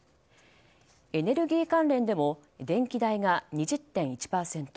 エネルギー関連でも電気代が２０．１％。